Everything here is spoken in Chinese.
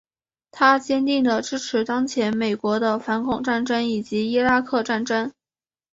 他坚定的支持当前美国的反恐战争以及伊拉克战争。